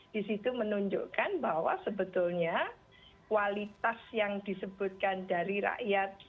di situ menunjukkan bahwa sebetulnya kualitas yang disebutkan dari rakyat